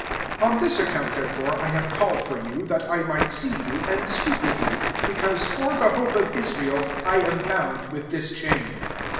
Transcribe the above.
20 On this account therefore I have called for you, that I might see yoK, and speak with you : be cause, for the hope of Israel I am bound with this chain."